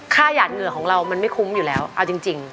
หยาดเหงื่อของเรามันไม่คุ้มอยู่แล้วเอาจริง